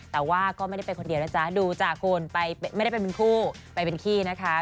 แต่ว่าก็ไม่ได้ไปคนเดียวนะจ๊ะดูจากคุณไปไม่ได้ไปเป็นคู่ไปเป็นขี้นะคะ